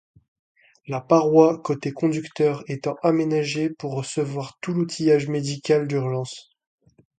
La paroi côté conducteur étant aménagée pour recevoir tout l'outillage médical d'urgence.